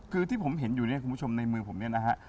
คือที่ผมเห็นอยู่เนี่ยคุณผู้ชมในมือผมเนี่ยนะฮะ